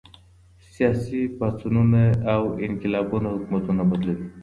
سياسي پاڅونونه او انقلابونه حکومتونه بدلوي.